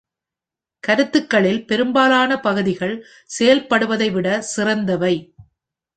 கருத்துக்களில் பெரும்பாலான பகுதிகள் செயல்படுத்துவதை விட சிறந்தவை.